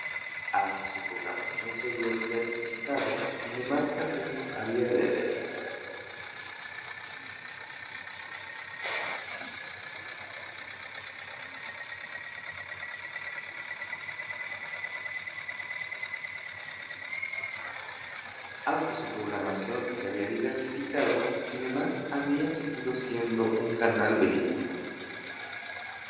Aunque su programación se había diversificado, Cinemax había seguido siendo un canal de películas.